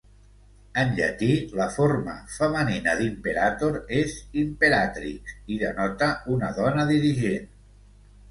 En llatí, la forma femenina d'"imperator" és "imperatrix" i denota una dona dirigent.